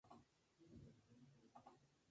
Tuvieron un hijo, Aspar.